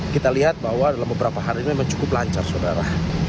kita lihat bahwa dalam beberapa hari ini memang cukup lancar saudara